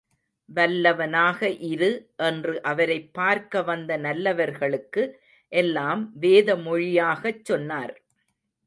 வல்லவனாக இரு என்று அவரைப் பார்க்க வந்த நல்லவர்களுக்கு எல்லாம் வேத மொழியாகச் சொன்னார்!